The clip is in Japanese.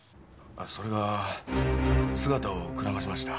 それが姿をくらましました。